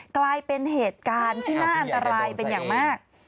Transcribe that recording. กลายเป็นเหตุการณ์ที่น่าอันตรายเป็นอย่างมาก